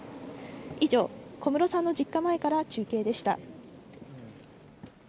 以上、小室さんの実家前から中継でした。